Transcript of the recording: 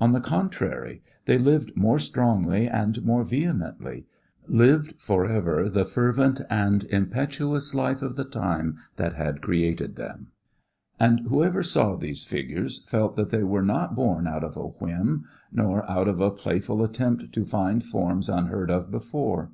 On the contrary, they lived more strongly and more vehemently lived forever the fervent anu impetuous life of the time that had created them. And whosoever saw these figures felt that they were not born out of a whim nor out of a playful attempt to find forms unheard of before.